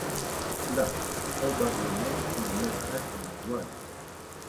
Là, probablement, il mettrait à la voile.